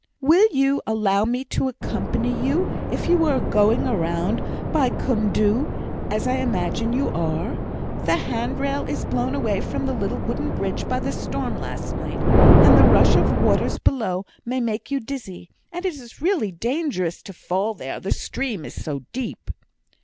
"Will you allow me to accompany you if you are going the round by Cwm Dhu, as I imagine you are? The hand rail is blown away from the little wooden bridge by the storm last night, and the rush of waters below may make you dizzy; and it is really dangerous to fall there, the stream is so deep."